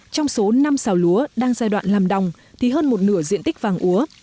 trong số năm xào lúa đang giai đoạn làm đồng thì hơn một nửa diện tích vàng úa